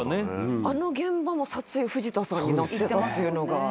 あの現場も撮影藤田さんになってたのが。